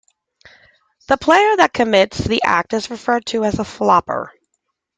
The player that commits the act is referred to as a "flopper".